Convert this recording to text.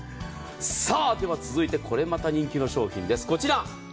さあ、では続いてこれまた人気の商品です、こちら。